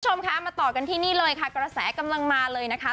คุณผู้ชมคะมาต่อกันที่นี่เลยค่ะกระแสกำลังมาเลยนะคะ